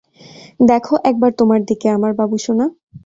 দেখো একবার তোমার দিকে, আমার বাবুসোনা।